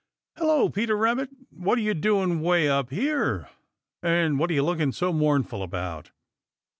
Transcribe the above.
"Hello, Peter Rabbit! What are you doing way up here, and what are you looking so mournful about?"